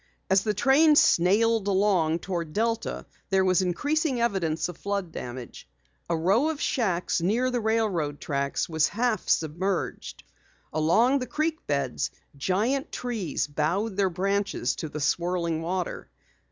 As the train snailed along toward Delta, there was increasing evidence of flood damage. A row of shacks near the railroad tracks was half submerged. Along the creek beds, giant trees bowed their branches to the swirling water.